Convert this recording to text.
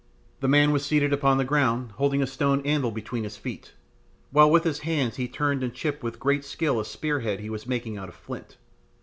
The man was seated upon the ground holding a stone anvil between his feet, while with his hands he turned and chipped with great skill a spear head he was making out of flint.